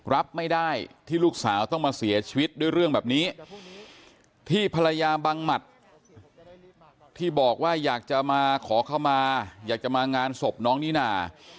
รับไม่ได้ที่ลูกสาวต้องมาเสียชีวิตด้วยเรื่องแบบนี้ที่ภรรยาบังหมัดที่บอกว่าอยากจะมาขอเข้ามาอยากจะมางานศพน้องนิน่า